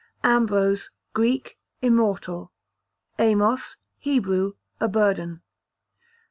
Ambrose, Greek, immortal. Amos, Hebrew, a burden.